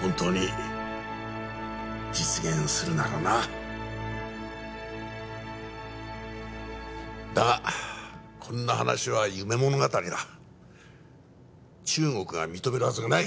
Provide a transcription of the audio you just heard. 本当に実現するならなだがこんな話は夢物語だ中国が認めるはずがない！